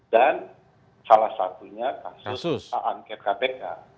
dan salah satunya kasus anket kpk